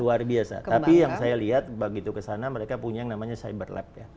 luar biasa tapi yang saya lihat begitu kesana mereka punya yang namanya cyber lab ya